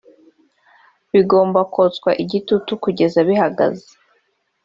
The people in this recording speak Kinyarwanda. bigomba kotswa igitutu kugeza bihagaze